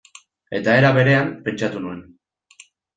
Eta era berean, pentsatu nuen.